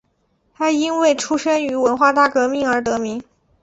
他因为出生于文化大革命而得名。